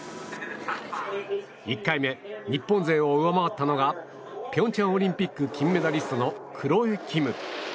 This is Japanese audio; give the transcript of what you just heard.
１回目、日本勢を上回ったのが平昌オリンピック金メダリストのクロエ・キム。